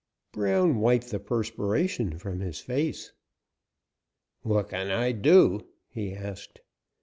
Brown wiped the perspiration from his face. "What can I do?" he asked.